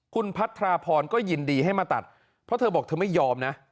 คุณพัทราพรก็ยินดีให้มาตัดเพราะเธอบอกเธอไม่ยอมนะ